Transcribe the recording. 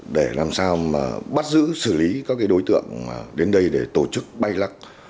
để làm sao mà bắt giữ xử lý các đối tượng đến đây để tổ chức bay lắc